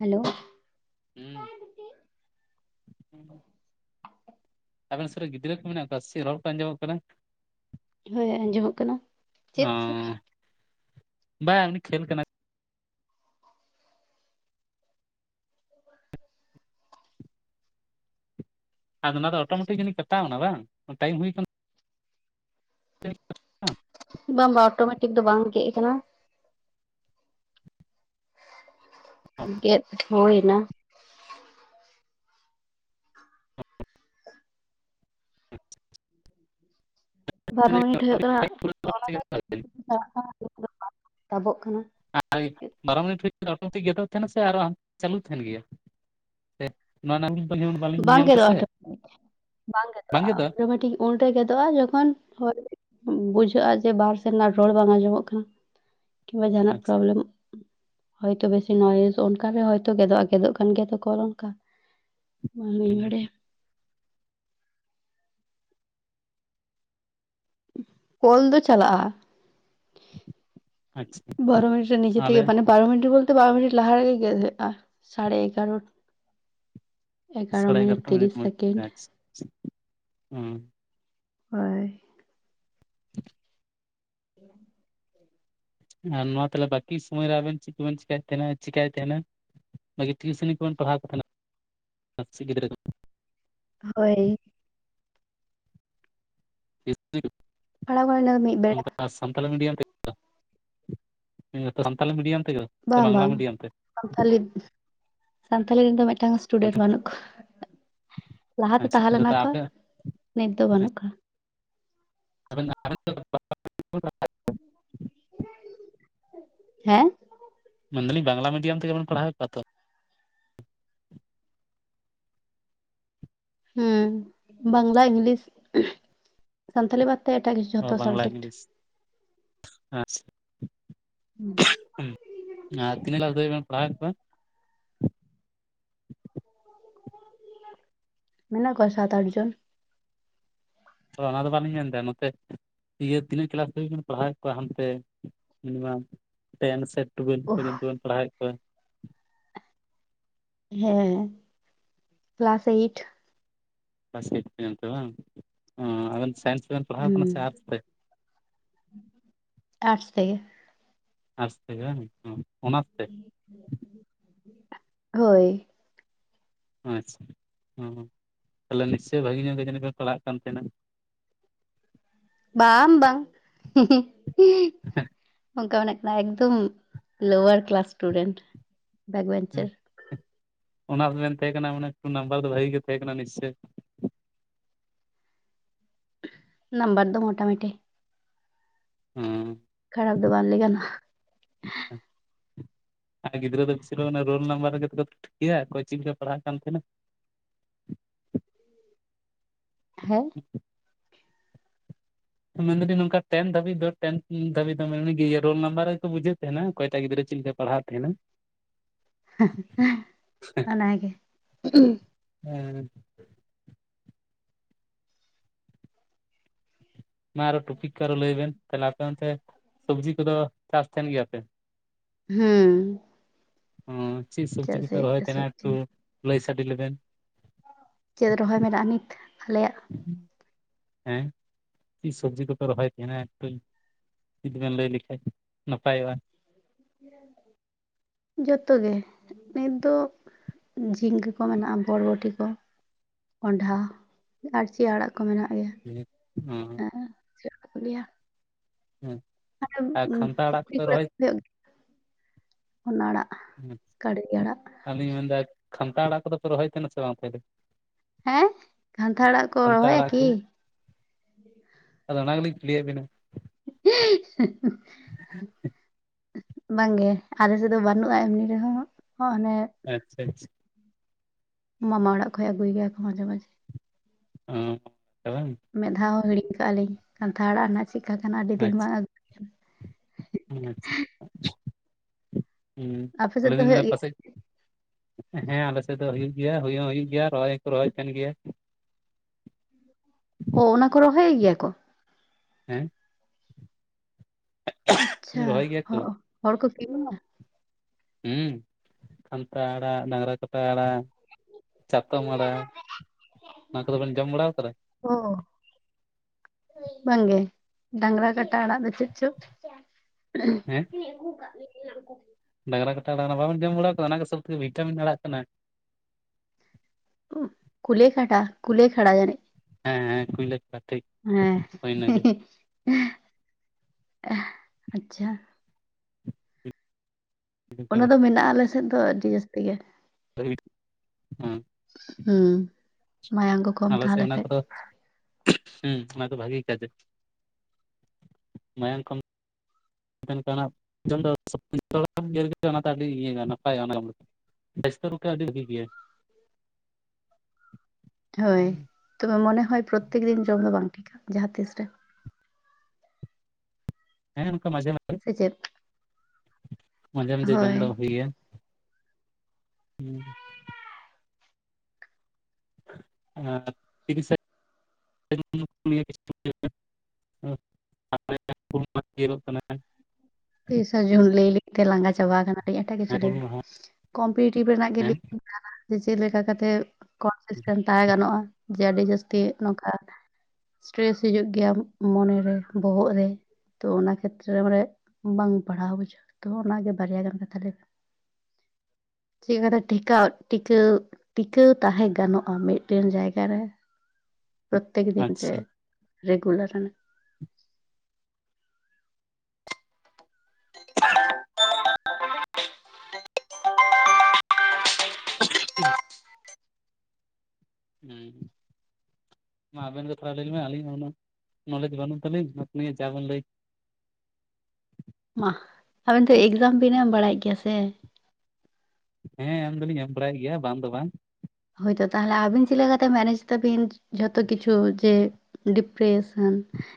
Hello ᱦᱩᱸ ᱟᱵᱮᱱ ᱥᱩᱨ ᱨᱮ ᱜᱤᱫᱽᱨᱟᱹ ᱠᱚ ᱢᱮᱱᱟᱜ ᱠᱚᱣᱟ ᱥᱮ ᱪᱮ ᱨᱚᱲ ᱠᱚ ᱟᱸᱡᱚᱢᱚᱜ ᱠᱟᱱᱟ? ᱦᱳᱭ ᱟᱸᱡᱚᱢᱚᱜ ᱠᱟᱱᱟ᱾ ᱪᱮᱫ ᱪᱮᱫ ᱦᱚᱸ ᱵᱟᱭᱟ ᱩᱱᱤ ᱠᱷᱮᱞ ᱠᱟᱱᱟᱭ ᱟᱫᱚ ᱚᱱᱟ ᱫᱚ ᱚᱴᱳᱢᱮᱴᱤᱠ ᱡᱟᱹᱱᱤᱡ ᱠᱟᱴᱟᱣᱮᱱᱟ ᱵᱟᱝ, ᱴᱟᱹᱭᱤᱢ ᱦᱩᱭ ᱟᱠᱟᱱ- [inaudible] ᱵᱟᱝᱼᱵᱟᱝ ᱚᱴᱳᱢᱮᱴᱤᱠ ᱫᱚ ᱵᱟᱝ ᱜᱮᱜ ᱟᱠᱟᱱᱟ᱾ ᱜᱮᱫᱰ ᱦᱩᱭᱮᱱᱟ᱾ ᱵᱟᱨ ᱦᱚᱭ ᱤᱴᱷᱟ. ᱜ ᱠᱟᱱᱟ, ᱚᱱᱟ ᱫᱚᱭ [unintelligible] ᱛᱟᱵᱚᱜ ᱠᱟᱱᱟ᱾ ᱟᱭ ᱵᱟᱨᱚ ᱢᱤᱱᱤᱴ ᱦᱩᱭᱩᱜ [inaudible] ᱜᱮᱛᱚ ᱟᱨᱚ ᱦᱟᱸ ᱪᱟᱹᱞᱩ ᱛᱟᱦᱮᱱ ᱜᱮᱭᱟ? ᱯᱮᱫ ᱱᱚᱣᱟ ᱱᱳᱣᱟ ᱱᱟᱹᱢᱤ [inaudible] ᱵᱟᱝ ᱜᱮᱫᱚᱜᱼᱟ, ᱚᱴᱳ [unintelligible] ᱵᱟᱝ ᱜᱮᱫᱚᱜᱼᱟ, ᱚᱴᱳ ᱢᱤᱴᱤᱜ, ᱩᱱ ᱨᱮ ᱜᱮᱫᱚᱜᱼᱟ, ᱡᱚᱠᱷᱚᱱ ᱦᱚ [unintelligible] ᱦᱩᱸ ᱵᱩᱡᱷᱟᱹᱜᱼᱟ, ᱡᱮ ᱵᱟᱨ ᱥᱮᱨᱢᱟ ᱨᱚᱲ ᱵᱟᱝ ᱟᱸᱡᱚᱢᱚᱜ ᱠᱟᱱᱟ᱾ ᱠᱤ ᱵᱟᱝ ᱡᱟᱦᱟᱱᱟᱜ ᱟᱪᱪᱷᱟ ᱯᱚᱨᱚᱵᱽᱞᱳᱢ [unintelligible] ᱦᱚᱭ ᱛᱚᱵᱮ ᱥᱮ ᱱᱚᱣᱟ ᱡᱤᱱᱤᱥ ᱚᱱᱠᱟᱨᱮ ᱦᱚᱭᱛᱚ ᱜᱮᱫᱚᱜᱼᱟ, ᱜᱮᱫᱚᱜ ᱠᱟᱱ ᱜᱮᱭᱟ ᱛᱚᱠᱚ ᱦᱚᱨ ᱚᱱᱠᱟ᱾ ᱢᱟᱹᱻᱞᱤ ᱦᱩᱸ ᱵᱟᱰᱟᱭᱟ ᱾ ᱩᱸᱦ ᱠᱚᱞ ᱫᱚ ᱪᱟᱞᱟᱜᱼᱟ, ᱟᱪᱪᱷᱟ ᱵᱚᱨᱚ ᱢᱩᱪᱚ ᱱᱤᱡᱮ ᱟᱞᱮ ᱛᱮᱜᱮ ᱢᱟᱱᱮ ᱯᱟᱣ ᱦᱟᱺᱰᱤ ᱵᱚᱞᱛᱮ ᱵᱟᱨᱳ ᱢᱤᱱᱤᱴ ᱞᱟᱦᱟ ᱨᱮᱜᱮ ᱜᱮᱫ ᱜᱮᱫᱼᱟ, ᱥᱟᱲᱮ ᱮᱜᱽᱟᱨᱳᱴ- ᱮᱜᱽᱟᱨᱚ ᱥᱟᱲᱮ ᱢᱤᱱᱤᱴ ᱮᱜᱟᱨᱚᱴᱟ ᱛᱤᱨᱤᱥ ᱢᱚᱫᱽᱫᱷᱮ ᱥᱮᱠᱮᱸᱰ, ᱟᱪᱪᱷᱟ ᱦᱩᱸ ᱦᱚᱻᱭ᱾ [inaudible] [inaudible] ᱢᱟᱦᱟᱞ ᱢᱳᱛᱞᱳᱵ ᱵᱟᱹᱠᱤ ᱥᱚᱢᱚᱭ ᱨᱮ ᱟᱵᱮᱱ ᱪᱮᱫ ᱠᱚᱵᱤᱱ ᱪᱤᱠᱟᱭᱮᱫ ᱛᱟᱦᱮᱸᱱᱟ ᱪᱤᱠᱟᱭ ᱛᱟᱦᱮᱱᱟ? ᱵᱷᱟᱜᱮ ᱴᱷᱤᱭᱩ ᱥᱚᱞᱤ ᱠᱚᱵᱤᱱ ᱯᱟᱲᱦᱟᱣ ᱠᱚ ᱛᱟᱦᱮᱱᱟ [unintelligible] ᱮᱠᱥᱤ ᱜᱤᱫᱽᱨᱟᱹ ᱠᱚ, ᱦᱳᱭ! ᱯᱟᱲᱦᱟᱣ ᱠᱟᱱᱟ ᱚᱱᱟ ᱫᱚ ᱢᱤᱫ ᱵᱮᱲᱟ [unintelligible] ᱟᱨ ᱥᱟᱱᱛᱟᱞᱤ ᱢᱤᱰᱤᱭᱚᱢ ᱛᱮ, [unintelligible] ᱢᱮᱱ ᱮᱫ ᱟᱹᱧ ᱥᱟᱱᱛᱟᱞᱤ ᱢᱤᱰᱤᱭᱟᱢ ᱛᱮᱜᱮ? ᱥᱮ ᱵᱟᱝ ᱵᱟᱝᱞᱟ ᱵᱟᱝ ᱢᱤᱰᱤᱭᱟᱢ ᱛᱮ? [unintelligible] ᱥᱟᱸᱛᱷᱟᱞᱤᱫ [unintelligible] ᱥᱟᱸᱛᱷᱟᱞᱤ ᱤᱧ ᱫᱚ ᱢᱮᱫᱴᱟᱝ ᱤᱥᱴᱩᱰᱮᱸᱴ ᱵᱟᱹᱱᱩᱜ ᱠᱩᱣᱟ᱾ ᱞᱟᱦᱟᱛᱮ ᱟᱪᱪᱷᱟ ᱛᱟᱦᱮ ᱞᱮᱱᱟ ᱠᱚ, ᱟᱯᱮ ᱱᱤᱛ ᱫᱚ ᱵᱟᱹᱱᱩᱜ ᱠᱚᱣᱟ᱾ [unintelligible] ᱦᱮᱸ? ᱢᱮᱱᱫᱟᱞᱤᱧ ᱵᱟᱝᱜᱽᱞᱟ ᱢᱤᱰᱤᱭᱳᱢ ᱛᱮᱜᱮ ᱵᱤᱱ ᱯᱟᱲᱦᱟᱣᱮᱫ ᱠᱚᱣᱟ ᱛᱚ? ᱦᱩᱸ ᱵᱟᱝᱜᱽᱞᱟ, ᱤᱸᱜᱽᱞᱤᱥ ᱥᱟᱱᱛᱟᱞᱤ ᱵᱟᱛ! ᱦᱳᱭ ᱵᱟᱝᱜᱽᱞᱟ, ᱤᱸᱜᱽᱞᱤᱥ [inaudible] ᱦᱮᱸ [unintelligible] ᱦᱩᱸ ᱩᱸᱦ ᱟᱡ ᱛᱤᱱᱟᱹᱜ ᱫᱟᱲ [unintelligible] ᱯᱟᱲᱦᱟᱣᱮᱫ ᱠᱚᱣᱟ? ᱢᱮᱱᱟᱜ ᱠᱚᱣᱟ ᱥᱟᱛ ᱟᱴ ᱡᱚᱱ᱾ ᱦᱚᱲᱟ ᱫᱚ ᱵᱟᱞᱤᱧ ᱢᱮᱱ ᱫᱟ ᱱᱚᱛᱮ ᱤᱭᱟᱹ ᱛᱤᱱᱟᱹᱜ ᱠᱮᱞᱟᱥ ᱫᱷᱟᱹᱵᱤᱡ ᱣᱤᱫ ᱯᱟᱲᱦᱟᱣᱮᱫ ᱠᱚᱣᱟ ᱦᱟᱱᱛᱮ, ᱢᱤᱱᱤᱢᱟᱢ? ᱴᱮᱱ ᱥᱮ ᱴᱩᱣᱮᱞᱵ ᱯᱚᱨᱚᱡᱚᱱᱛᱚ ᱵᱮᱱ ᱯᱟᱲᱦᱟᱣᱮᱫ ᱠᱚᱣᱟ? ᱦᱮᱸ ᱻᱠᱮᱞᱟᱥ ᱟᱹᱭᱤᱴ᱾ ᱯᱟᱥᱮᱫ ᱴᱮᱸᱛ ᱵᱟᱝ, ᱚᱸᱻ ᱟᱹᱵᱮᱱ ᱥᱟᱭᱤᱸᱥ ᱵᱮᱱ ᱦᱩᱸᱻᱟᱨᱥ ᱛᱮᱜᱮ᱾ ᱟᱨᱥ ᱛᱮᱜᱮ ᱵᱟᱝ, ᱚᱝ ᱚᱱᱟᱛ ᱛᱮᱫ, [inaudible] ᱜᱟᱹᱭ! ᱟᱪᱪᱷᱟ, ᱦᱚᱸ ᱛᱟᱦᱮᱞᱮ ᱱᱤᱥᱪᱳᱭ ᱵᱷᱟᱹᱜᱤ ᱧᱚᱜ ᱜᱮ ᱡᱟᱹᱱᱤᱡ ᱯᱮ ᱯᱟᱲᱦᱟᱜ ᱠᱟᱱ ᱛᱟᱦᱮᱱᱟ᱾ ᱵᱟᱝᱻᱵᱟᱝ [unintelligible] ᱚᱸᱠᱟ ᱚᱲᱮᱸᱫ, ᱱᱟ ᱮᱠᱫᱚᱢ lower class student back bencher. ᱚᱱᱟᱥ ᱵᱮᱱ ᱛᱮᱦᱮᱸ ᱠᱟᱱᱟ ᱢᱟᱱᱮ, ᱦᱩᱱᱟᱝ ᱴᱩ ᱱᱳᱢᱵᱟᱨ ᱫᱚ ᱵᱷᱟᱜᱤ ᱜᱤ ᱛᱟᱦᱮᱸ ᱠᱟᱱᱟ ᱱᱤᱥᱪᱚᱭ᱾ ᱱᱟᱢᱵᱟᱨ ᱫᱚ ᱢᱳᱴᱟ ᱢᱤᱴᱤᱦ ᱦᱩᱸ ᱠᱷᱟᱨᱟᱯ ᱫᱚ ᱵᱟᱝ ᱞᱟᱹᱭ ᱜᱟᱱᱚᱜᱼᱟ ᱟᱨ ᱜᱤᱫᱽᱨᱟᱹ ᱫᱚ ᱵᱤᱥᱤ ᱨᱳᱞ ᱱᱚᱢᱵᱟᱨ ᱨᱮ ᱴᱷᱤᱠᱭᱟ [unintelligible] ᱪᱤᱫ ᱞᱮᱠᱟᱭ ᱯᱟᱲᱦᱟᱜ ᱠᱟᱱ ᱛᱟᱦᱮᱱᱟ ᱾ [unintelligible] ᱢᱮᱱᱫᱟᱞᱤᱧ ᱱᱚᱝᱠᱟ ᱴᱮᱱ ᱫᱷᱟᱹᱵᱤᱡ ᱫᱚ ᱴᱮᱱ ᱫᱷᱟᱹᱵᱤᱡ ᱫᱚ ᱢᱮᱱᱫᱤᱧ ᱨᱳᱞ ᱱᱟᱢᱵᱟᱨ ᱨᱮ ᱵᱩᱡᱟᱹᱣ ᱛᱟᱦᱮᱱᱟ ᱚᱠᱚᱭ ᱴᱟᱜ ᱜᱤᱫᱽᱨᱟᱹ ᱪᱤᱜ ᱞᱮᱠᱟᱭ ᱯᱟᱲᱦᱟᱜ ᱛᱟᱦᱮᱱᱟ [unintelligible] ᱚᱱᱟ ᱜᱮ ᱦᱮᱸ ᱢᱟ ᱟᱨᱚ ᱴᱩᱯᱤᱠ ᱠᱚ ᱟᱨᱚ ᱞᱟᱹᱭ ᱵᱮᱱ ᱛᱟᱦᱞᱮ ᱟᱯᱮ ᱚᱱᱛᱮ ᱥᱚᱵᱡᱤ ᱠᱚᱫᱚ ᱪᱟᱥ ᱛᱟᱦᱮᱱ ᱜᱮᱭᱟᱯᱮ? ᱦᱩᱸ ᱚ ᱪᱮᱫ ᱥᱚᱵᱡᱤ ᱪᱮᱫᱟᱜ ᱥᱮ ᱠᱚᱯᱮ ᱨᱚᱦᱚᱭ ᱛᱟᱦᱮᱱᱟ ᱥᱚᱵᱡᱤ ᱮᱠᱴᱩ ᱪᱮᱫ ᱞᱟᱹᱭ ᱥᱟᱰᱮ ᱞᱮᱵᱮᱱ ᱪᱮᱫ ᱨᱚᱦᱚᱭ ᱢᱮᱱᱟᱜᱼᱟ ᱱᱤᱛ ᱟᱞᱮᱭᱟᱜ ᱦᱮᱸ ᱪᱮᱫ ᱥᱚᱵᱡᱤ ᱠᱚᱯᱮ ᱨᱚᱦᱚᱭ ᱛᱟᱦᱮᱱᱟ ᱮᱠᱴᱩ ᱡᱩᱫᱤ ᱵᱮᱱ ᱞᱟᱹᱭ ᱞᱮᱠᱷᱟᱡ ᱱᱟᱯᱟᱭᱚᱜᱼᱟ ᱾ [inaudible] ᱡᱷᱚᱛᱚ ᱜᱮ᱾ ᱱᱤᱛ ᱫᱚ ᱼᱼ ᱡᱷᱤᱝᱜᱟᱹ ᱠᱚ ᱢᱮᱱᱟᱜᱼᱟ ᱵᱚᱨᱵᱚᱴᱤ ᱠᱚ। ᱠᱚᱱᱰᱷᱟ ᱟᱨ ᱪᱮ ᱟᱲᱟᱜ ᱠᱚ ᱢᱮᱱᱟᱜ ᱜᱮᱭᱟ᱾ ᱦᱮᱸ ᱦᱮ ᱪᱮᱫ ᱠᱚ ᱞᱟᱹᱭᱟ ᱼᱼ ᱦᱮᱸ ᱟᱨ ᱠᱷᱟᱱᱛᱟ ᱟᱲᱟᱜ ᱠᱚ ᱯᱩᱠᱷᱨᱤ ᱯᱮ ᱨᱚᱦᱚᱭᱟ ᱼᱼ ᱩᱱᱟ ᱟᱲᱟᱜ ᱠᱟᱰᱜᱮ ᱟᱲᱟᱜ। ᱟᱫᱚᱧ ᱢᱮᱱᱫᱟ ᱠᱷᱟᱱᱛᱟ ᱟᱲᱟᱜ ᱠᱚᱫᱚ ᱯᱮ ᱨᱚᱦᱚᱭ ᱛᱟᱦᱮᱱᱟ ᱥᱮ ᱵᱟᱝ ᱟᱯᱮ ᱫᱚ? ᱦᱮᱸ ᱠᱷᱟᱱᱛᱷᱟ ᱟᱲᱟᱜ ᱠᱚ ᱠᱷᱟᱱᱛᱟ ᱨᱚᱦᱚᱭᱟ ᱟᱲᱟᱜ ᱠᱚ ᱠᱤ? ᱟᱫᱚ ᱚᱱᱟ ᱜᱮ ᱞᱤᱧ ᱯᱷᱩᱞᱤᱭᱮᱫ ᱵᱤᱱᱟ। [unintelligible] ᱵᱟᱝᱜᱮ ᱟᱞᱮ ᱥᱮᱫ ᱫᱚ ᱵᱟᱹᱱᱩᱜᱼᱟ ᱮᱢᱱᱤ ᱨᱮᱦᱚᱸ ᱚᱱᱮ ᱼᱼ ᱟᱪᱪᱷᱟ ᱟᱪᱪᱷᱟ। ᱢᱟᱢᱟ ᱚᱲᱟᱜ ᱠᱷᱚᱡ ᱟᱹᱜᱩᱭ ᱜᱮᱭᱟᱠᱚ ᱢᱟᱡᱷᱮ ᱢᱟᱡᱷᱮ। [unintelligible] [unintelligible] ᱢᱮᱫ ᱫᱷᱟᱣ ᱦᱚᱸ ᱦᱤᱲᱤᱧ ᱠᱟᱜᱼᱟ ᱞᱤᱧ ᱠᱟᱱᱛᱷᱟ ᱟᱲᱟᱜ ᱨᱮᱱᱟᱜ ᱪᱮᱫᱠᱟ ᱠᱟᱱᱟ ᱟᱹᱰᱤ ᱫᱤᱱ ᱵᱟᱝ ᱟᱹᱩ [unintelligible] ᱦᱮᱸ ᱟᱪᱪᱷᱟ ᱦᱮᱸ ᱟᱯᱮ ᱥᱮᱫ ᱟᱹᱞᱤᱧ ᱫᱚ ᱞᱤᱧ ᱦᱩᱭᱩᱜ ᱞᱮᱭᱫᱟ ᱜᱮᱭᱟ? ᱯᱟᱥᱮᱡ ᱼᱼ ᱦᱮᱸ ᱟᱞᱮᱥᱮᱫ ᱫᱚ ᱦᱩᱭᱩᱜ ᱜᱮᱭᱟ ᱦᱩᱭ ᱦᱚᱸ ᱦᱩᱭᱩᱜ ᱜᱮᱭᱟ ᱨᱚᱦᱚᱭ ᱦᱚᱸᱠᱚ ᱨᱚᱦᱚᱭ ᱛᱟᱦᱮᱱ ᱜᱮᱭᱟ। ᱚ ᱚᱱᱟ ᱠᱚ ᱨᱚᱦᱚᱭᱮ ᱜᱮᱭᱟ ᱠᱚ? ᱦᱮᱸ ᱟᱪᱪᱷᱟ ᱨᱚᱦᱚᱭ ᱜᱮᱭᱟ ᱠᱚ ᱦᱚᱜᱼᱚ ᱦᱚᱲ ᱠᱚ ᱠᱤᱨᱤᱧᱟ? ᱦᱮᱸ ᱠᱷᱟᱱᱛᱟ ᱟᱲᱟᱜ ᱰᱟᱝᱨᱟ ᱠᱟᱴᱟ ᱟᱲᱟᱜ। ᱪᱟᱛᱚᱢ ᱟᱲᱟᱜ᱾ ᱚᱱᱟ ᱠᱚᱫᱚ ᱵᱮᱱ ᱡᱚᱢ ᱵᱟᱲᱟᱣ ᱠᱟᱫᱟ? ᱦᱚᱸ ᱵᱟᱝᱜᱮ᱾ ᱰᱟᱝᱨᱟ ᱠᱟᱴᱟ ᱟᱲᱟᱜ ᱫᱚ ᱪᱮᱫ ᱪᱚ? ᱦᱮᱸ ᱟᱹᱜᱩ ᱠᱟᱜ ᱜᱮ ᱞᱮᱠᱟ [unintelligible] ᱩᱱᱠᱩ ᱰᱟᱝᱨᱟ ᱠᱟᱴᱟ ᱟᱲᱟᱜ ᱵᱟᱵᱮᱱ ᱡᱚᱢ ᱵᱟᱲᱟ ᱟᱠᱟᱫᱟ ᱚᱱᱟ ᱜᱮ ᱥᱚᱵᱛᱷᱮᱠᱮ ᱵᱷᱤᱴᱟᱢᱤᱱ ᱟᱲᱟᱜ ᱠᱟᱱᱟ। ᱠᱩᱞᱮ ᱠᱷᱟᱴᱟ ᱠᱩᱞᱮ ᱠᱷᱟᱲᱟ ᱡᱟᱹᱱᱤᱡ? ᱦᱮᱸ ᱦᱮᱸ ᱠᱩᱭᱞᱟ ᱠᱷᱟᱲᱟ ᱡᱷᱤᱠ। ᱦᱮᱸ ᱟᱪᱪᱷᱟ ᱚᱱᱟ ᱦᱮᱸ ᱫᱚ ᱢᱮᱱᱟᱜᱼᱟ ᱟᱞᱮ ᱥᱮᱫ ᱫᱚ ᱟᱹᱰᱤ ᱡᱟᱹᱥᱛᱤ ᱜᱮ। [unintelligible] ᱦᱩᱸ ᱢᱟᱭᱟᱝ ᱠᱚ ᱼᱼ ᱟᱞᱮ ᱥᱮᱫ ᱚᱱᱟ ᱠᱚᱫᱚ ᱼᱼ ᱦᱮᱸ ᱚᱱᱟ ᱫᱚ ᱵᱷᱟᱜᱤ ᱠᱟᱡᱮ ᱢᱟᱭᱟᱝ ᱠᱚ [unintelligible] [unintelligible] ᱟᱹᱰᱤ ᱤᱭᱟᱹ ᱱᱟᱯᱟᱭ ᱚᱱᱟ ᱵᱮᱥᱛᱚ [unintelligible] ᱯᱚᱠᱽᱠᱷᱮ ᱟᱹᱰᱤ ᱵᱷᱟᱹᱜᱤ ᱜᱮᱭᱟ। ᱦᱚᱭ ᱛᱚᱵᱮ ᱢᱚᱱᱮ ᱦᱚᱭ ᱯᱨᱚᱛᱛᱮᱠ ᱫᱤᱱ ᱡᱚᱢ ᱫᱚ ᱵᱟᱝ ᱴᱷᱤᱠᱟ ᱡᱟᱦᱟᱸ ᱛᱤᱥ ᱨᱮ। ᱦᱮᱸ ᱱᱚᱝᱠᱟ ᱢᱟᱡᱷᱮ ᱢᱟᱡᱷᱮ ᱥᱮ ᱪᱮᱫ? ᱢᱟᱡᱷᱮ ᱢᱟᱡᱷᱮ ᱡᱚᱢ ᱦᱳᱭ ᱫᱚ ᱦᱩᱭ ᱜᱮᱭᱟ᱾ [inaudible] ᱟᱨ ᱛᱤᱨᱤᱥᱮ [unintelligible] ᱛᱤᱨᱤᱥᱮ ᱡᱩᱱ ᱞᱟᱹᱭ ᱞᱟᱹᱭ ᱛᱮ ᱞᱟᱸᱜᱟ ᱪᱟᱵᱟ ᱠᱟᱱᱟᱞᱤᱧ, ᱮᱴᱟᱜ ᱠᱤᱪᱷᱩ ᱦᱮᱸ ᱦᱩᱞ ᱢᱟᱦᱟ ᱠᱚᱢᱯᱤᱴᱤᱴᱤᱵᱷ ᱨᱮᱱᱟᱜ ᱜᱮ ᱦᱮᱸ ᱞᱟᱹᱭ ᱵᱤᱱ। ᱡᱮ ᱪᱮᱫ ᱞᱮᱠᱟ ᱠᱟᱛᱮ [unintelligible] ᱛᱟᱦᱮᱸ ᱜᱟᱱᱚᱜᱼᱟ, ᱡᱮ ᱟᱹᱰᱤ ᱡᱟᱹᱥᱛᱤ ᱱᱚᱝᱠᱟ ᱥᱴᱨᱮᱥ ᱦᱤᱡᱩᱜ ᱜᱮᱭᱟ, ᱢᱚᱱᱮ ᱨᱮ ᱵᱚᱦᱚᱜ ᱨᱮ ᱛᱚ ᱚᱱᱟ ᱠᱷᱮᱛᱨᱮ ᱢᱟᱱᱮ ᱵᱟᱝ ᱯᱟᱲᱦᱟᱣ ᱵᱩᱡᱷᱟᱹᱜᱼᱟ ᱛᱚ, ᱚᱱᱟ ᱜᱮ ᱵᱟᱨᱭᱟ ᱜᱟᱱ ᱠᱟᱛᱷᱟ ᱞᱟᱹᱭ ᱵᱮᱱ? ᱪᱮᱫ ᱠᱟᱛᱮ ᱴᱮᱠᱟᱣ ᱴᱤᱠᱟᱹᱣ ᱴᱤᱠᱟᱹᱣ ᱛᱟᱦᱮᱸ ᱜᱟᱱᱚᱜᱼᱟ, ᱢᱤᱫᱴᱮᱱ ᱡᱟᱭᱜᱟ ᱨᱮ? ᱯᱨᱚᱛᱮᱠ ᱫᱤᱱ ᱡᱮ ᱟᱪᱪᱷᱟ ᱨᱮᱜᱩᱨᱟᱞ ᱨᱮᱱᱟᱜ [inaudible] [inaudible] ᱦᱮᱸ ᱾ ᱢᱟ ᱟᱵᱮᱱ ᱜᱮ ᱛᱷᱚᱲᱟ ᱞᱟᱹᱭ ᱞᱮᱵᱮᱱ, ᱟᱹᱞᱤᱧ ᱦᱚᱸ ᱩᱱᱟ ᱱᱚᱞᱮᱡᱽ ᱵᱟᱹᱱᱩᱜ ᱛᱟᱹᱞᱤᱧ᱾ᱱᱚᱣᱟ ᱱᱤᱭᱮ ᱡᱟ ᱵᱮᱱ ᱞᱟᱹᱭ ᱢᱟ ᱟᱵᱤᱱ ᱛᱚ ᱮᱠᱡᱟᱢ ᱵᱤᱱ ᱮᱢ ᱵᱟᱲᱟᱭᱮᱫ ᱜᱮᱭᱟ ᱥᱮ? ᱦᱮᱸ ᱮᱢ ᱫᱚᱞᱤᱧ ᱮᱢ ᱵᱟᱲᱟᱭᱮᱫ ᱜᱮᱭᱟ, ᱵᱟᱝ ᱫᱚ ᱵᱟᱝ ᱦᱳᱭ ᱛᱳ ᱛᱟᱦᱚᱞᱮ ᱟᱹᱵᱤᱱ ᱪᱮᱫ ᱞᱮᱠᱟᱛᱮ ᱢᱮᱱᱮᱡ ᱛᱟᱵᱤᱱ ᱡᱷᱚᱛᱚ ᱠᱤᱪᱷᱩ ᱡᱮ ᱰᱤᱯᱨᱮᱥᱮᱱ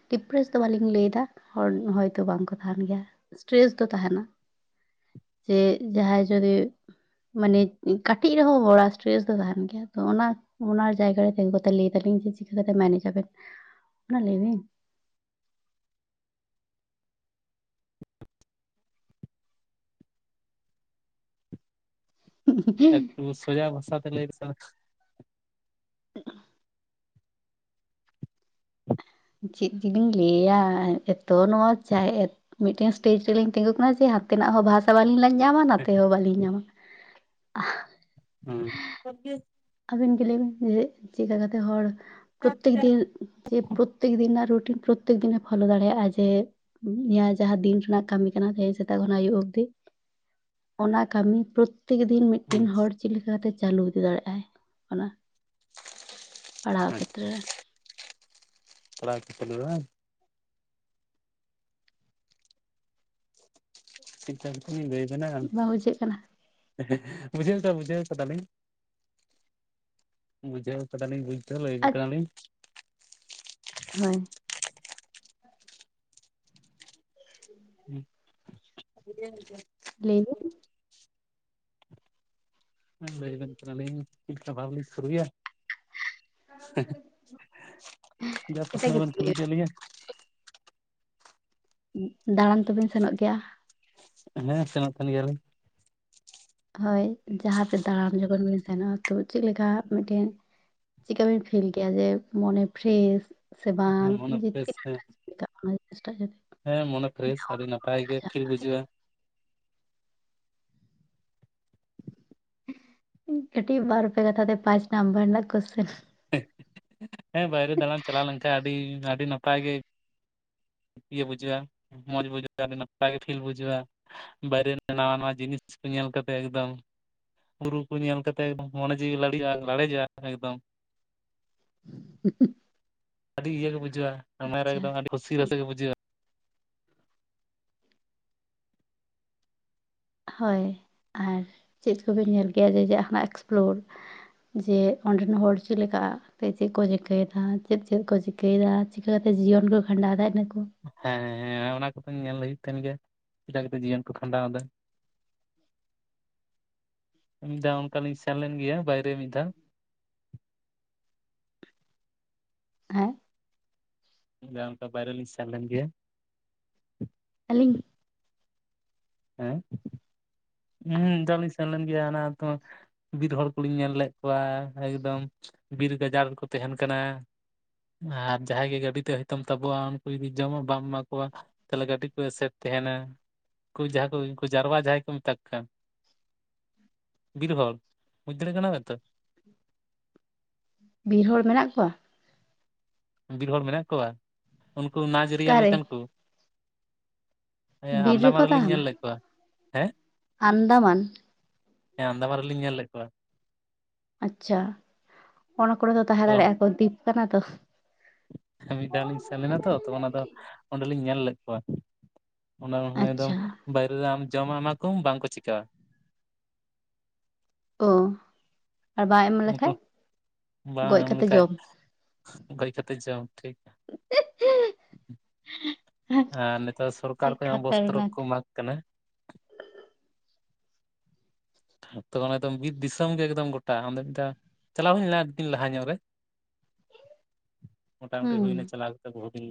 ᱰᱤᱯᱨᱮᱥ ᱫᱚ ᱵᱟᱹᱞᱤᱧ ᱞᱟᱹᱭ ᱫᱟ ᱦᱚᱲ ᱦᱚᱭ ᱛᱳ ᱵᱟᱝ ᱠᱚ ᱛᱟᱦᱮᱱ ᱜᱮᱭᱟ᱾ ᱥᱴᱨᱮᱥ ᱫᱚ ᱛᱟᱦᱮᱱᱟ᱾ ᱡᱮ ᱡᱟᱦᱟᱸᱭ ᱡᱚᱫᱤ ᱢᱟᱱᱮ ᱠᱟᱹᱴᱤᱡ ᱨᱮᱦᱚᱸ ᱵᱚᱲᱟ ᱥᱴᱨᱮᱥ ᱛᱟᱦᱮᱱ ᱜᱮᱭᱟ ᱛᱚ, ᱚᱱᱟ ᱚᱱᱟ ᱡᱟᱭᱜᱟ ᱨᱮ ᱛᱤᱜᱩ ᱠᱟᱛᱮ ᱞᱟᱹᱭ ᱫᱟᱞᱤᱧ ᱡᱮ ᱪᱤᱠᱟᱹ ᱠᱟᱛᱮ ᱢᱮᱱᱮᱡ ᱟᱵᱮᱱ ᱚᱱᱟ ᱞᱟᱹᱭ ᱵᱮᱱ? ᱮᱠᱴᱩ ᱥᱳᱡᱟ ᱵᱷᱟᱥᱟ ᱛᱮ ᱞᱟᱹᱭ [unintelligible] [inaudible] ᱪᱮᱫ ᱡᱤᱞᱤᱧ ᱞᱟᱹᱭᱟ, ᱮᱛᱚ ᱱᱚᱣᱟ ᱪᱟᱭ ᱢᱤᱫ ᱴᱮᱱ ᱥᱴᱮᱡ ᱨᱮᱞᱤᱧ ᱛᱤᱸᱜᱩ ᱟᱠᱟᱱᱟ, ᱡᱮ ᱦᱟᱛᱮᱱᱟᱜ ᱦᱚᱸ ᱵᱷᱟᱥᱟ ᱵᱟᱞᱤᱧ [unintelligible] ᱧᱟᱢᱟ ᱚᱱᱟᱛᱮ ᱦᱚᱸ ᱵᱟᱹᱞᱤᱧ ᱧᱟᱢᱟ᱾ ᱦᱮᱸ ᱟᱨᱠᱤ ᱟᱹᱵᱤᱱ ᱜᱮ ᱞᱟᱹᱭ ᱵᱤᱱ, ᱡᱮ ᱪᱮᱫ ᱞᱮᱠᱟ ᱠᱟᱛᱮᱫ ᱦᱚᱲ ᱯᱨᱚᱛᱮᱠ ᱫᱤᱱ ᱡᱮ ᱯᱨᱚᱛᱮᱠ ᱫᱤᱱ ᱨᱮᱱᱟᱜ ᱨᱩᱴᱤᱱ ᱯᱨᱚᱛᱮᱠ ᱫᱤᱱᱮ ᱯᱷᱳᱞᱳ ᱫᱟᱲᱮᱭᱟᱜᱼᱟ ᱡᱮ ᱡᱟᱦᱟᱸ ᱫᱤᱱ ᱨᱮᱱᱟᱜ ᱠᱟᱹᱢᱤ ᱠᱟᱱᱟ ᱛᱟᱦᱮᱸᱧ ᱥᱮᱛᱟᱜ ᱠᱷᱚᱱᱚ ᱟᱭᱩᱵ ᱚᱵᱫᱤ ᱚᱱᱟ ᱠᱟᱹᱢᱤ ᱯᱨᱚᱛᱮᱠ ᱫᱤᱱ ᱢᱤᱫ ᱴᱮᱱ ᱦᱚᱲ ᱪᱮᱫ ᱞᱮᱠᱟᱛᱮ ᱪᱟᱹᱞᱩ ᱤᱫᱤ ᱫᱟᱲᱮᱭᱟᱜᱼᱟᱭ? ᱚᱱᱟ ᱯᱟᱲᱦᱟᱣ ᱠᱷᱮᱛᱨᱮ ᱨᱮ [unintelligible] ᱴᱷᱤᱠ ᱴᱷᱟᱠ ᱛᱚ ᱞᱟᱹᱭ ᱠᱟᱱᱟ᱾ ᱵᱟᱝ ᱵᱩᱡᱷᱟᱹᱜ ᱠᱟᱱᱟ [unintelligible] ᱠᱟᱫᱟᱞᱤᱧ᱾ ᱵᱩᱡᱷᱟᱹᱣ ᱠᱟᱫᱟᱞᱤᱧ, ᱵᱩᱡ ᱫᱚ ᱞᱟᱹᱭ ᱟᱪ ᱠᱟᱱᱟᱞᱤᱧ ᱦᱳᱭ᱾ ᱞᱟᱹᱭ ᱵᱤᱱ [unintelligible] [unintelligible] ᱠᱟᱱᱟᱞᱤᱧ ᱪᱮᱠᱟ ᱵᱷᱟᱵᱞᱤ ᱥᱩᱨᱩᱭᱟ ᱡᱟ ᱮᱴᱟᱜ ᱯᱚᱥᱱᱚ ᱵᱤᱱ ᱠᱤᱪᱷᱩ ᱠᱩᱞᱤ ᱞᱟᱹᱭ ᱠᱮᱫ ᱞᱤᱧᱟ? ᱫᱟᱬᱟᱱ ᱛᱚᱵᱮᱱ ᱥᱮᱱᱚᱜ ᱜᱮᱭᱟ? ᱦᱮᱸ ᱥᱮᱱᱚᱜ ᱠᱟᱱ ᱜᱮᱭᱟ ᱞᱤᱧ᱾ ᱦᱳᱭ᱾ ᱡᱟᱦᱟᱸ ᱨᱮ ᱫᱟᱬᱟᱱ ᱡᱚᱠᱷᱚᱱ ᱵᱤᱱ ᱥᱮᱱᱚᱜᱼᱟ ᱛᱚ, ᱪᱮᱫ ᱞᱮᱠᱟ ᱢᱤᱫ ᱴᱮᱱ ᱪᱤᱠᱟ ᱵᱤᱱ ᱯᱷᱮᱞ ᱜᱮᱭᱟ ᱡᱮ ᱢᱚᱱᱮ ᱯᱷᱨᱮᱥ? ᱥᱮ ᱵᱟᱝ ᱦᱮᱸ ᱢᱚᱱᱮ ᱯᱷᱨᱮᱥ ᱦᱮᱸ [unintelligible] ᱯᱮᱨᱟᱭ ᱜᱮ ᱯᱷᱤᱞ ᱵᱩᱡᱩᱜᱼᱟ᱾ ᱠᱟᱹᱴᱤᱡ ᱵᱟᱨ ᱯᱮ ᱠᱟᱛᱷᱟ ᱛᱮ ᱯᱟᱸᱪ ᱱᱟᱢᱵᱟᱨ ᱨᱮᱱᱟᱜ ᱠᱚᱥᱪᱮᱱ᱾ ᱦᱮᱸ ᱵᱟᱭᱨᱮ ᱫᱟᱬᱟᱱ ᱪᱟᱞᱟᱣ ᱞᱮᱱᱠᱟᱱ, ᱟᱹᱰᱤ ᱟᱹᱰᱤ ᱱᱟᱯᱟᱭ ᱜᱮ᱾ ᱤᱭᱟᱹ ᱵᱩᱡᱷᱟᱹᱜᱼᱟ᱾ ᱢᱚᱸᱡᱽ ᱵᱩᱡᱷᱟᱹᱜᱼᱟ᱾ ᱟᱹᱰᱤ ᱱᱟᱯᱟᱭ ᱜᱮ ᱯᱷᱤᱞ ᱵᱩᱡᱷᱟᱹᱜᱼᱟ᱾ ᱵᱟᱭᱨᱮ ᱨᱮ ᱱᱟᱣᱟ ᱱᱟᱣᱟ ᱡᱤᱱᱤᱥ ᱠᱚ ᱧᱮᱞ ᱠᱟᱛᱮᱫ ᱮᱠᱫᱚᱢ᱾ ᱵᱩᱨᱩ ᱠᱚ ᱧᱮᱞ ᱠᱟᱛᱮ ᱢᱚᱱᱮ ᱡᱤᱣᱤ ᱞᱟᱲᱤᱡᱼᱟ, ᱞᱟᱲᱮᱡᱚᱜᱼᱟ, ᱮᱠᱫᱚᱢ᱾ [unintelligible] ᱟᱹᱰᱤ ᱤᱭᱟᱹᱮ ᱵᱩᱡᱷᱟᱹᱜᱼᱟ᱾ ᱢᱚᱱᱮ ᱨᱮ ᱟᱪᱪᱷᱟ ᱮᱠᱫᱚᱢ ᱟᱹᱰᱤ ᱠᱩᱥᱤ ᱨᱟᱹᱥᱠᱟᱹ ᱜᱮ ᱵᱩᱡᱷᱟᱹᱜᱼᱟ᱾ ᱦᱳᱭ ᱟᱨ ᱪᱮᱫ ᱠᱚᱵᱮᱱ ᱧᱮᱞ ᱜᱮᱭᱟ, ᱡᱮ ᱡᱮᱫᱱᱟᱜ ᱮᱠᱥᱯᱞᱳᱨ᱾ ᱡᱮ ᱚᱸᱰᱮᱱ ᱦᱚᱲ ᱪᱮᱫ ᱞᱮᱠᱟ? ᱛᱚ ᱪᱮᱫ ᱠᱚ ᱪᱤᱠᱟᱹᱭᱮᱫᱟ? ᱪᱮᱫ -ᱪᱮᱫ ᱠᱚ ᱪᱤᱠᱟᱹᱭᱮᱫᱟ? ᱪᱤᱠᱟᱹ ᱠᱟᱛᱮᱫ ᱡᱤᱭᱚᱱ ᱠᱚ ᱠᱷᱟᱸᱰᱟᱣ ᱫᱟ, ᱤᱱᱟ ᱠᱚ? ᱦᱮᱸ ᱦᱮᱸ ᱚᱱᱟ ᱠᱚᱫᱚᱧ ᱧᱮᱞ ᱦᱩᱭᱩᱜ ᱠᱟᱱ ᱜᱮᱭᱟ᱾ ᱪᱮᱠᱟ ᱠᱟᱛᱮᱫ ᱡᱤᱭᱚᱱ ᱠᱚ ᱠᱷᱟᱸᱰᱟᱣ ᱮᱫᱟ? ᱡᱟᱣ ᱚᱱᱠᱟ ᱞᱤᱧ ᱥᱮᱱ ᱞᱮᱱ ᱜᱮᱭᱟ, ᱵᱟᱭᱨᱮ ᱢᱤᱫ ᱫᱷᱟᱣ᱾ ᱦᱮᱸ? ᱡᱟᱣ ᱵᱟᱭᱨᱮ ᱞᱤᱧ ᱥᱮᱱ ᱞᱮᱱ ᱜᱮᱭᱟ᱾ ᱟᱹᱞᱤᱧ ᱦᱮᱸ! ᱦᱩᱸ ᱫᱚ ᱢᱤᱫᱷᱟᱣ ᱞᱤᱧ ᱥᱮᱱ ᱞᱮᱱ ᱜᱮᱭᱟ᱾ ᱚᱱᱟ ᱟᱹᱛᱩ ᱵᱤᱨ ᱦᱚᱲ ᱠᱚᱞᱤᱧ ᱧᱮᱞ ᱞᱮᱫ ᱠᱚᱣᱟ᱾ ᱮᱠᱫᱚᱢ ᱵᱤᱨ ᱜᱟᱡᱟᱲ ᱨᱮᱠᱚ ᱛᱟᱦᱮᱱ ᱠᱟᱱᱟ᱾ ᱟᱨ ᱡᱟᱦᱟᱸᱭ ᱜᱮ ᱜᱟᱹᱰᱤ ᱛᱮ ᱦᱚᱭᱛᱚᱢ ᱛᱟᱵᱚᱜᱼᱟ᱾ ᱩᱱᱠᱩ ᱡᱩᱫᱤ ᱡᱚᱢᱟᱜ ᱵᱟᱢ ᱮᱢᱟ ᱠᱚᱣᱟ᱾ ᱛᱟᱦᱚᱞᱮ ᱜᱟᱹᱰᱤ ᱠᱚ ᱮᱥᱮᱨ ᱛᱟᱦᱮᱱᱟ᱾ ᱩᱱ ᱡᱟᱦᱟᱸ ᱠᱚ ᱩᱱᱠᱩ ᱡᱟᱨᱣᱟ, ᱡᱟᱦᱟᱸᱭ ᱠᱚ ᱢᱮᱛᱟᱜ ᱠᱟᱱ᱾ ᱵᱤᱨ ᱦᱚᱲ! ᱵᱩᱡᱽ ᱫᱟᱲᱮ ᱠᱟᱱᱟᱣ ᱛᱚ? ᱵᱤᱨ ᱦᱚᱲ ᱢᱮᱱᱟᱜ ᱠᱚᱣᱟ? ᱵᱤᱨ ᱦᱚᱲ ᱢᱮᱱᱟᱜ ᱠᱚᱣᱟ᱾ ᱩᱱᱠᱩ ᱱᱟᱡᱽᱟᱹᱨᱤᱭᱟᱱ ᱚᱠᱟᱨᱮ ᱞᱮᱠᱟᱱ ᱠᱚ᱾ ᱦᱮᱸ ᱵᱤᱨ ᱟᱱᱫᱟᱢᱟ ᱨᱮᱠᱚ ᱨᱮᱞᱤᱧ ᱛᱟᱦᱮᱱᱟ ᱧᱮᱞ ᱞᱮᱫ ᱠᱚᱣᱟ᱾ ᱦᱮᱸ, ᱟᱱᱫᱟᱢᱟᱱ ᱦᱮᱸ ᱟᱫᱟᱢᱟᱱ ᱨᱮᱞᱤᱧ ᱧᱮᱞ ᱞᱮᱫ ᱠᱚᱣᱟ᱾ ᱟᱪᱪᱷᱟ, ᱚᱱᱟ ᱠᱚᱨᱮ ᱫᱚ ᱛᱟᱦᱮᱸ ᱛᱚ ᱫᱟᱲᱮᱭᱟᱜᱼᱟ ᱠᱚ᱾ ᱫᱤᱯ ᱠᱟᱱᱟ ᱛᱚ᱾ ᱢᱤᱫ ᱫᱷᱟᱣ ᱞᱤᱧ ᱥᱮᱱ ᱞᱮᱱᱟ ᱛᱚ᱾ ᱚᱱᱟ ᱫᱚ ᱚᱸᱰᱮᱞᱤᱧ ᱧᱮᱞ ᱞᱮᱫ ᱠᱚᱣᱟ᱾ ᱚᱱᱟ ᱮᱠᱫᱚᱢ ᱟᱪᱪᱷᱟ ᱵᱟᱭᱨᱮ ᱨᱮ ᱡᱚᱢᱟᱜ ᱮᱢᱟ ᱠᱚᱢ ᱵᱟᱝ ᱠᱚ ᱪᱤᱠᱟᱹᱣᱟ᱾ ᱚᱸᱻ ᱩᱱᱠᱩ ᱵᱟᱝ ᱜᱚᱡ ᱮᱢ ᱠᱟᱛᱮ ᱞᱮᱠᱷᱟᱡ, ᱡᱚᱢ [unintelligible] ᱵᱟᱹᱭ ᱛᱚ ᱪᱚᱝ, ᱴᱷᱤᱠ᱾ ᱟᱨ ᱱᱮᱛᱟᱨ ᱥᱚᱨᱠᱟᱨ ᱪᱮᱫ ᱠᱷᱚᱡ ᱦᱚᱸ᱾ ᱵᱚᱥᱛᱴᱨᱚ ᱠᱷᱟᱛᱟᱨᱱᱟᱠ ᱠᱚ ᱢᱟᱜ ᱠᱟᱱᱟ᱾ ᱛᱚ ᱚᱱᱮ ᱛᱚ ᱵᱤᱨ ᱫᱤᱥᱚᱢ ᱜᱮ ᱮᱠᱫᱚᱢ ᱜᱚᱴᱟ ᱟᱫᱚ ᱚᱱᱮᱛᱚ᱾ ᱪᱟᱞᱟᱣ ᱦᱩᱭᱱᱟ ᱮᱞᱮᱱᱟ, ᱞᱟᱦᱟ ᱧᱚᱜ ᱨᱮ ᱦᱩᱸ ᱢᱚᱴᱟᱢᱩᱴᱤ ᱦᱩᱭᱱᱟ᱾ ᱪᱟᱞᱟᱣ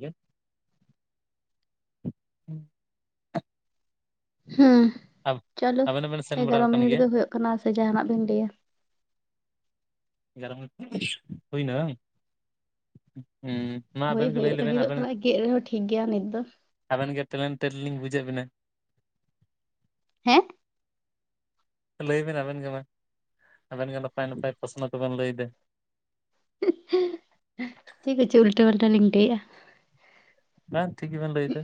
ᱜᱮ [unintelligible] ᱦᱮᱸ ᱪᱚᱞᱳ ᱟᱵᱮᱱ ᱦᱚᱸᱵᱮᱱ ᱥᱮᱱ ᱵᱟᱲᱟ ᱮᱜᱟᱨᱚ ᱟᱠᱟᱱ ᱢᱤᱱᱤᱴ ᱜᱮᱭᱟ ᱜᱮ ᱦᱩᱭᱩᱜ ᱠᱟᱱᱟ ᱥᱮ ᱡᱟᱦᱱᱟᱜ ᱵᱤᱱ ᱞᱟᱹᱭᱟ᱾ ᱮᱜᱟᱨ ᱢᱤᱱᱤᱴ ᱦᱩᱭᱱᱟ ᱦᱚᱸ᱾ ᱦᱳᱭ ᱦᱩᱭᱩᱜᱳ ᱞᱟᱹᱜᱤᱫᱚᱜ ᱠᱟᱱᱟ᱾ ᱜᱮᱫ ᱨᱮᱦᱚᱸ ᱴᱷᱤᱠ ᱜᱮᱭᱟ ᱱᱤᱛ ᱫᱚ᱾ ᱟᱵᱮᱱ ᱜᱮ ᱴᱮᱞᱮᱱᱴ ᱞᱤᱧ ᱵᱩᱡᱮᱫ ᱵᱮᱱᱟ᱾ ᱦᱮᱸ ᱞᱟᱹᱭᱵᱤᱱ ᱟᱵᱮᱱ ᱜᱮ ᱢᱟ ᱟᱵᱮᱱ ᱜᱮ, ᱱᱟᱯᱟᱭ ᱱᱟᱯᱟᱭ ᱯᱚᱥᱱᱚ ᱛᱮᱵᱮᱱ ᱞᱟᱹᱭ ᱮᱫᱟ᱾ ᱪᱤᱠ ᱠᱚᱪᱚ ᱩᱞᱴᱟᱹ ᱯᱟᱞᱴᱟ ᱞᱤᱧ ᱴᱷᱟᱹᱭᱮᱜᱼᱟ᱾ ᱦᱮᱸ ᱴᱷᱤᱠ ᱜᱮᱵᱱ ᱞᱟᱹᱭ ᱮᱫᱟ᱾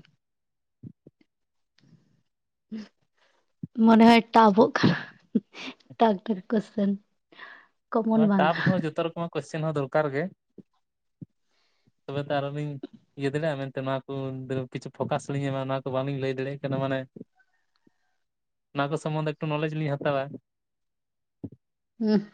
ᱢᱚᱱᱮ ᱦᱚ ᱴᱟᱵᱚ ᱠᱟᱱᱟ᱾ ᱴᱟᱵᱩᱠᱮᱥᱚᱱ [unintelligible] ᱚᱱᱟ ᱴᱟᱯ ᱦᱚᱸ ᱡᱚᱛᱚ ᱨᱚᱠᱚᱢᱟᱜ ᱠᱚᱥᱪᱮᱱ ᱦᱚᱸ ᱫᱚᱨᱠᱟᱨ ᱜᱮ ᱛᱚᱵᱮ ᱛᱚ ᱟᱨᱚ ᱞᱤᱧ᱾ ᱤᱭᱟᱹ ᱫᱟᱲᱮᱭᱟᱜᱼᱟ᱾ ᱢᱮᱱᱛᱮ ᱱᱚᱣᱟ ᱠᱚ ᱠᱤᱪᱷᱩ ᱯᱷᱳᱠᱟᱥ ᱞᱤᱧ ᱮᱢᱟ, ᱚᱱᱟ ᱠᱚ ᱵᱟᱞᱤᱧ ᱞᱟᱹᱭ ᱫᱟᱲᱮᱭᱟᱜ ᱠᱟᱱᱟ ᱢᱟᱱᱮ᱾ ᱚᱱᱟ ᱠᱚ ᱥᱚᱢᱚᱱᱫᱷᱮ ᱮᱠᱴᱩ ᱱᱚᱞᱮᱡᱽ ᱞᱤᱧ ᱦᱟᱛᱟᱣᱟ᱾ ᱦᱮᱸ